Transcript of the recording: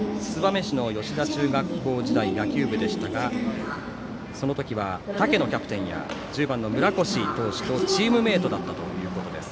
燕市の中学校時代野球部でしたがその時は、竹野キャプテンや１０番の村越投手とチームメートだったということです。